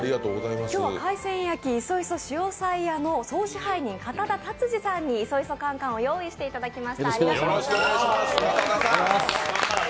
今日は海鮮焼磯磯潮彩屋の総支配人、片田竜司さんにいそいそカンカンを用意していただきました。